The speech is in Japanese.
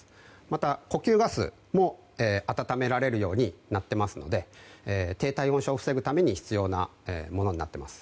また呼吸ガスも温められるようになっていますので低体温症を防ぐために必要なものになっています。